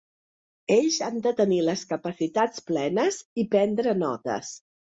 Ells han de tenir les capacitats plenes i prendre notes.